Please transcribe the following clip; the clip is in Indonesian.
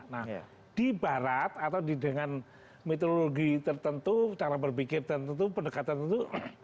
nah di barat atau di dengan mitologi tertentu cara berpikir tertentu pendekatan tertentu